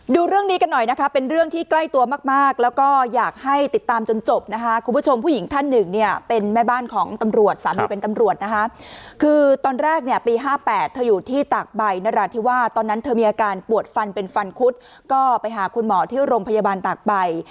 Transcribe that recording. ดูเรื่องนี้กันหน่อยนะคะเป็นเรื่องที่ใกล้ตัวมากมากแล้วก็อยากให้ติดตามจนจบนะคะคุณผู้ชมผู้หญิงท่านหนึ่งเนี่ยเป็นแม่บ้านของตำรวจสามีเป็นตำรวจนะคะคือตอนแรกเนี่ยปี๕๘เธออยู่ที่ตากใบนราธิวาสตอนนั้นเธอมีอาการปวดฟันเป็นฟันคุดก็ไปหาคุณหมอที่โรงพยาบาลตากใบ